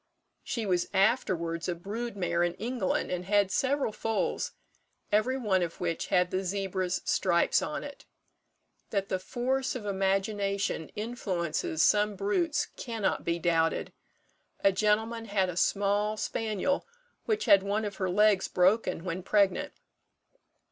She was afterwards a brood mare in England, and had several foals, every one of which had the zebra's stripes on it. That the force of imagination influences some brutes cannot be doubted. A gentleman had a small spaniel which had one of her legs broken when pregnant.